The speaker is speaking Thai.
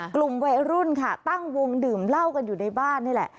กลุ่มวัยรุ่นค่ะตั้งวงดื่มเหล้ากันอยู่ในบ้านนี่แหละ